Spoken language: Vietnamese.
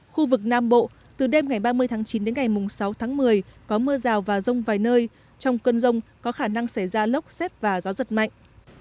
khu vực nam bộ từ đêm ngày ba mươi tháng chín đến ngày sáu tháng một mươi có mưa rào và rông vài nơi trong cơn rông có khả năng xảy ra lốc xét và gió giật mạnh